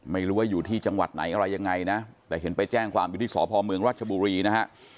ไม่รู้ว่าอยู่ที่จังหวัดไหนอะไรยังไงนะแต่เห็นไปแจ้งความอยู่ที่สพเมืองรัชบุรีนะฮะ